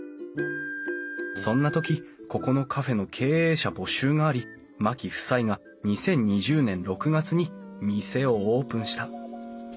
そんな時ここのカフェの経営者募集があり牧夫妻が２０２０年６月に店をオープンした。